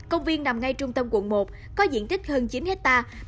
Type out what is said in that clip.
công viên nằm ngay trung tâm quận một có diện tích hơn chín hectare